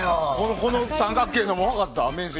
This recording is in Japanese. この三角形のも分かった？